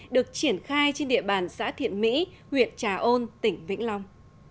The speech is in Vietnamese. được triển khai trên địa bàn xã thiện mỹ huyện trà ôn tỉnh vĩnh long